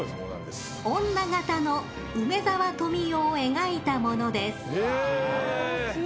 女形の梅沢富美男を描いたものです」